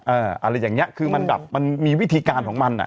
อะไรอย่างเงี้ยคือมันแบบมันมีวิธีการของมันอ่ะ